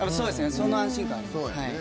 その安心感があります。